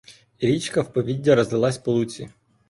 Річка в повіддя розлилася по луці.